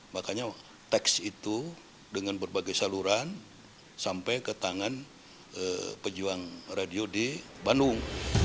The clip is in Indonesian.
makanya teks itu dengan berbagai saluran sampai ke tangan pejuang radio di bandung